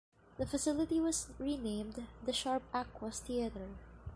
The facility was renamed the Sharp Aquos Theatre.